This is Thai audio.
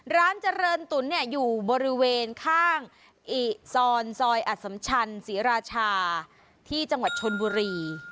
ร้านเจริญตุ๋นอยู่บริเวณข้างอิซอนซอยอสัมชันศรีราชาที่จังหวัดชนบุรี